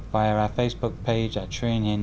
via our facebook page at truyền hình nhân dân